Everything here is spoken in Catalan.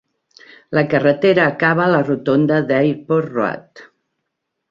La carretera acaba a la rotonda d'Airport Road.